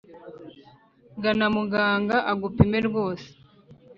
gana muganga agupime rwose